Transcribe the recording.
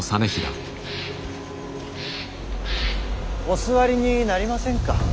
お座りになりませんか。